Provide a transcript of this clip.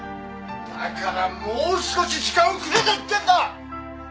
だからもう少し時間をくれと言ってるんだ！